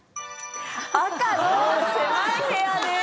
赤の狭い部屋です。